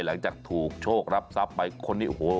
หลังจากถูกโชครับทรัพย์ไปคนนี้โอ้โห